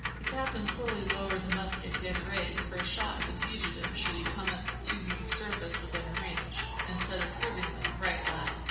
The captain slowly lowered the musket he had raised for a shot at the fugitive should he comet to the surface within range, and said approvingly: "Right, lad!